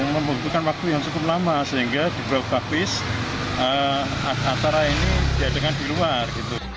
membutuhkan waktu yang cukup lama sehingga dibawa kapis antara ini diadakan di luar gitu